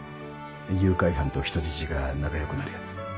誘拐犯と人質が仲良くなるやつ。